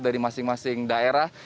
dari masing masing daerah